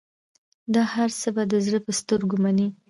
دا هرڅه به د زړه په سترګو منې.